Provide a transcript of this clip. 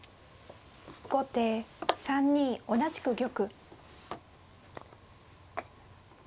後手３二同じく玉。